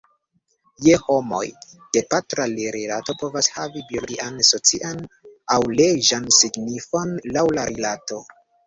Je homoj, gepatra rilato povas havi biologian, socian, aŭ leĝan signifon, laŭ la rilato.